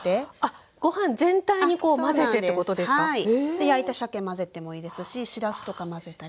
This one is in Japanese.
で焼いたしゃけ混ぜてもいいですししらすとか混ぜたり。